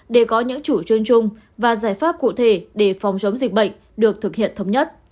để có những chủ trương chung và giải pháp cụ thể để phòng chống dịch bệnh được thực hiện thống nhất